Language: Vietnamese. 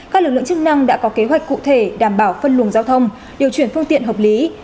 các lực lượng chức năng đã có kế hoạch cụ thể đảm bảo phân luồng giao thông điều chuyển phương tiện hợp lý